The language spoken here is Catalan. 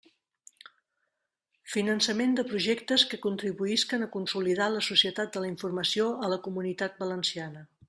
Finançament de projectes que contribuïsquen a consolidar la Societat de la Informació a la Comunitat Valenciana.